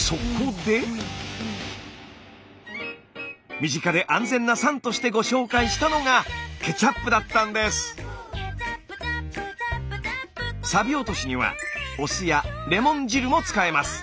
身近で安全な酸としてご紹介したのがサビ落としにはお酢やレモン汁も使えます。